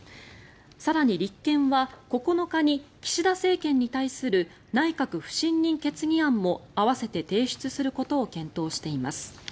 更に立憲は９日に岸田政権に対する内閣不信任決議案も併せて提出することを検討しています。